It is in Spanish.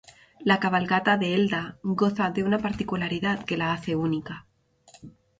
La cabalgata de Elda goza de una particularidad que la hace única.